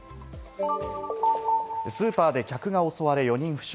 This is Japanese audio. スーパーで客が襲われ、４人負傷。